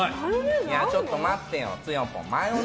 ちょっと待ってよ、つよぽん。